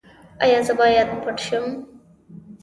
ایا زه باید پټ شم؟